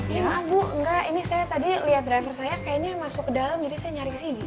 ya maaf bu enggak ini saya tadi lihat driver saya kayaknya masuk ke dalam jadi saya nyari ke sini